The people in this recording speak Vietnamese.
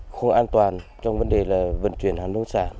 không an toàn trong vấn đề là vận chuyển hàng nông sản